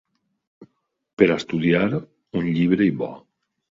Per a estudiar, un llibre i bo.